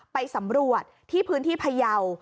ไปสำรวจที่พื้นที่พยาว